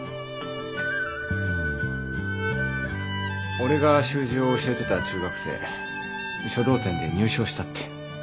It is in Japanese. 俺が習字を教えてた中学生書道展で入賞したって。